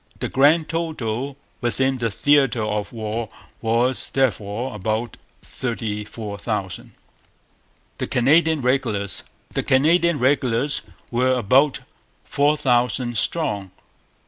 The grand total within the theatre of war was therefore about thirty four thousand. The Canadian Regulars. The Canadian regulars were about four thousand strong.